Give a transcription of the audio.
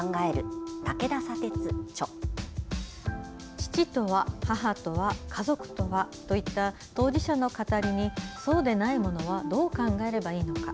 父とは、母とは、家族とはといった当事者の語りにそうでない者はどう考えればいいのか。